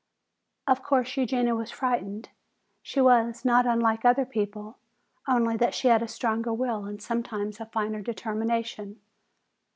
Of course, Eugenia was frightened. She was not unlike other people, only that she had a stronger will and sometimes a finer determination.